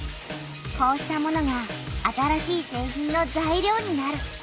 こうしたものが新しい製品の材料になる。